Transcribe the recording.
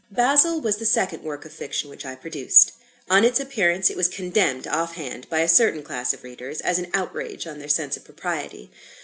"Basil" was the second work of fiction which I produced. On its appearance, it was condemned off hand, by a certain class of readers, as an outrage on their sense of propriety.